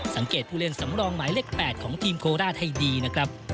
สังเกตผู้เล่นสำรองหมายเลข๘ของทีมโคราชให้ดีนะครับ